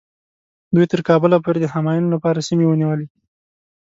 دوی تر کابله پورې د همایون لپاره سیمې ونیولې.